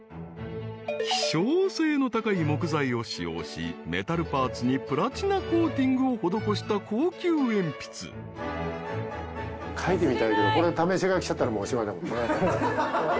［希少性の高い木材を使用しメタルパーツにプラチナコーティングを施した高級鉛筆］書いてみたいけど。